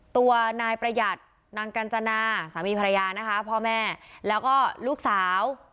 ตัวนายประหยัดนางกัญจนาสามีภรรยานะคะพ่อแม่แล้วก็ลูกสาว